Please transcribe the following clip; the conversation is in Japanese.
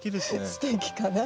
すてきかな。